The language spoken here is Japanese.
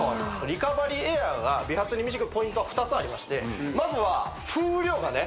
リカバリーエアーが美髪に導くポイントは２つありましてまずは風量がね